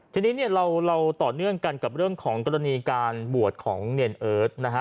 ทีนี้เนี่ยเราต่อเนื่องกันกับเรื่องของกรณีการบวชของเนียนเอิร์ทนะฮะ